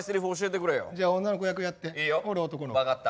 じゃあ女の子役やって。